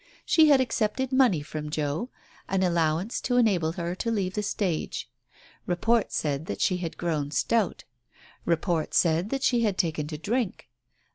She had accepted money from Joe — an allowance to enable her to leave the stage. Report said that she had grown stout. Report said that she had taken to drink.